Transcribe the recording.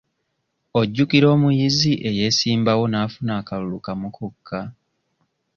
Ojjukira omuyizi eyeesimbawo n'afuna akalulu kamu kokka?